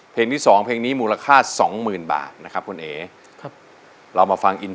ที่สองเพลงนี้มูลค่าสองหมื่นบาทนะครับคุณเอ๋ครับเรามาฟังอินโทร